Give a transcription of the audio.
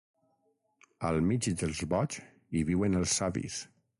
Al mig dels boigs hi viuen els savis.